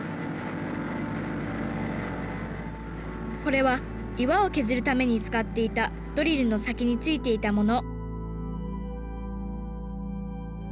これは岩を削るために使っていたドリルの先についていたもの